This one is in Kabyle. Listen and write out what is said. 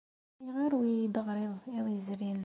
Ayɣer ur iyi-d-teɣriḍ iḍ yezrin?